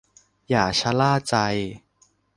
อย่าชะล่าใจ